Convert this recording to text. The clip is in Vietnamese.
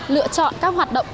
lựa chọn các hoạt động